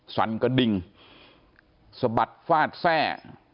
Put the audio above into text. สั่นกระดิ่งสะบัดฟาดแทร่